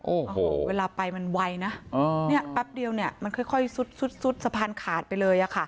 โอ้โหเวลาไปมันไวนะเนี่ยแป๊บเดียวเนี่ยมันค่อยซุดสะพานขาดไปเลยอะค่ะ